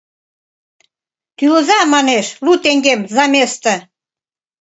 — Тӱлыза, манеш, лу теҥгем «за место».